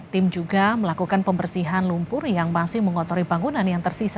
tim juga melakukan pembersihan lumpur yang masih mengotori bangunan yang tersisa